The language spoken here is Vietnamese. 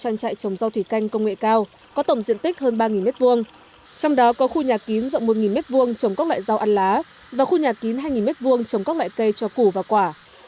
trang trại trồng rau thủy canh công nghệ cao có tổng diện tích hơn ba m hai trong đó có khu nhà kín rộng một m hai trồng các loại rau ăn lá và khu nhà kín hai m hai trồng các loại cây cho củ và quả